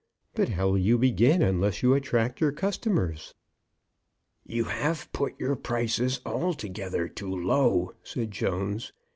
But how will you begin unless you attract your customers?" "You have put your prices altogether too low," said Jones.